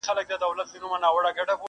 خو ذهن نه هېرېږي هېڅکله تل.